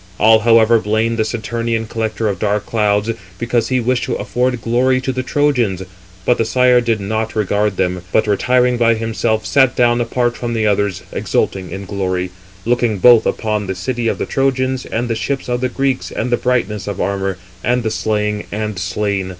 All however blamed the Saturnian collector of dark clouds, because he wished to afford glory to the Trojans. But the sire did not regard them, but retiring by himself, sat down apart from the others, exulting in glory, looking both upon the city of the Trojans, and the ships of the Greeks, and the brightness of armour, and the slaying, and slain.